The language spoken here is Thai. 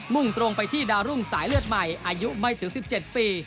่งตรงไปที่ดาวรุ่งสายเลือดใหม่อายุไม่ถึง๑๗ปี